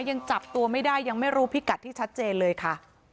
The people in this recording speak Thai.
ยังจับตัวไม่ได้ยังไม่รู้พิกัดที่ชัดเจนเลยค่ะ